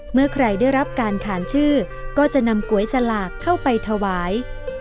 เมื่อใครได้รับการขานชื่อก็จะนำก๋วยสลากเข้าไปถวาย